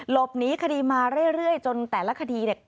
หลบหนีคดีมาเรื่อยจนแต่ละคดีเนี่ย